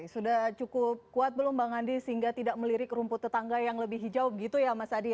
sudah cukup kuat belum bang andi sehingga tidak melirik rumput tetangga yang lebih hijau gitu ya mas adi